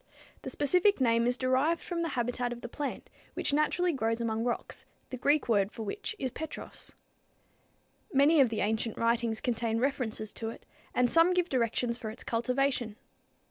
The specific name is derived from the habitat of the plant, which naturally grows among rocks, the Greek word for which is petros. Many of the ancient writings contain references to it, and some give directions for its cultivation.